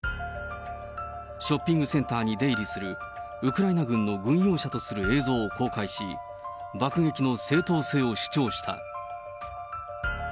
ショッピングセンターに出入りするウクライナ軍の軍用車とする映像を公開し、爆撃の正当性を主張した。